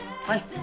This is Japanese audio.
はい。